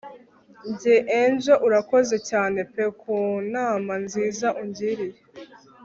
Njye Angel urakoze cyane pe ku nama nziza ungiriye